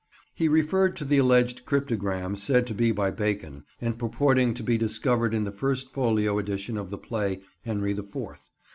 He referred to the alleged cryptogram said to be by Bacon, and purporting to be discovered in the First Folio edition of the play, Henry the Fourth.